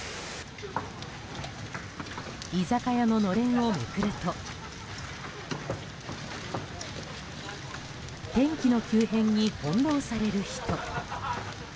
居酒屋ののれんをめくると天気の急変に翻弄される人。